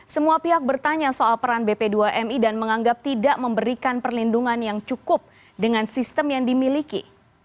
semua pihak bertanya soal peran bp dua mi dan menganggap tidak memberikan perlindungan yang cukup dengan sistem yang dimiliki